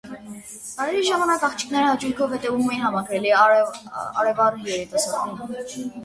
Պարերի ժամանակ աղջիկները հաճույքով հետևում էին համակրելի արևառ երիտասարդին։